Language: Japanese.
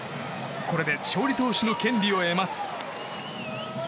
これで勝利投手の権利を得ます。